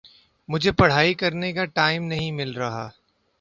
مجھے پڑھائی کرنے کا ٹائم نہیں مل رہا